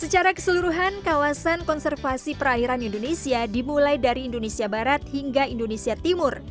secara keseluruhan kawasan konservasi perairan indonesia dimulai dari indonesia barat hingga indonesia timur